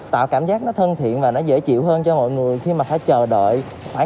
tạo cảm giác nó thân thiện và nó dễ chịu hơn cho mọi người khi mà phải chờ đợi